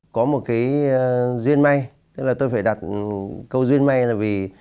có một cái duyên may tôi phải đặt câu duyên may là vì